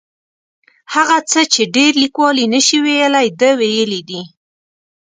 هغه څه چې ډېر لیکوال یې نشي ویلی ده ویلي دي.